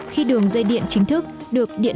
khi đường dây điện chính thức được điện